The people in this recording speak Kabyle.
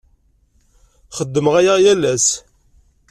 Xeddmeɣ aya yal ass.